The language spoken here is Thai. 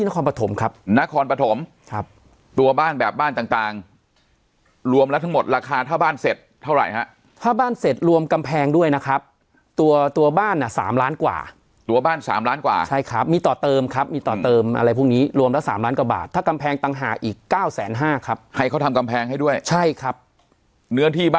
นครปฐมครับนครปฐมครับตัวบ้านแบบบ้านต่างต่างรวมแล้วทั้งหมดราคาถ้าบ้านเสร็จเท่าไหร่ฮะถ้าบ้านเสร็จรวมกำแพงด้วยนะครับตัวตัวบ้านอ่ะสามล้านกว่าตัวบ้านสามล้านกว่าใช่ครับมีต่อเติมครับมีต่อเติมอะไรพวกนี้รวมละสามล้านกว่าบาทถ้ากำแพงต่างหากอีกเก้าแสนห้าครับให้เขาทำกำแพงให้ด้วยใช่ครับเนื้อที่บ